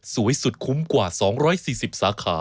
สุดคุ้มกว่า๒๔๐สาขา